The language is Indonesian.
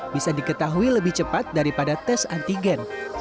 bisa diketahui lebih cepat daripada tes antigen